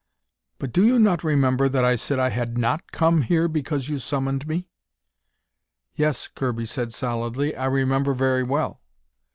"But do you not remember that I said I had not come here because you summoned me?" "Yes," Kirby said solidly. "I remember very well."